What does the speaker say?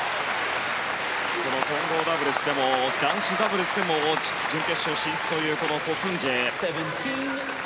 この混合ダブルスでも男子ダブルスでも準決勝進出というソ・スンジェ。